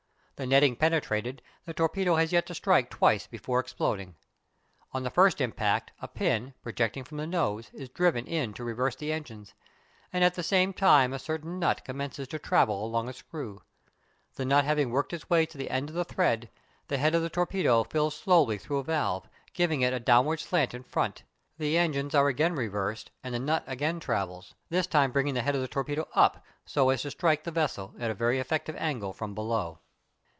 The netting penetrated, the torpedo has yet to strike twice before exploding. On the first impact, a pin, projecting from the nose, is driven in to reverse the engines, and at the same time a certain nut commences to travel along a screw. The nut having worked its way to the end of the thread, the head of the torpedo fills slowly through a valve, giving it a downward slant in front. The engines are again reversed and the nut again travels, this time bringing the head of the torpedo up, so as to strike the vessel at a very effective angle from below.